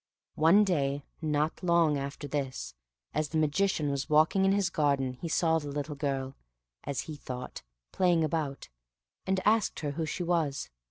One day, not long after this, as the Magician was walking in his garden he saw the little girl (as he thought) playing about, and asked her who she was.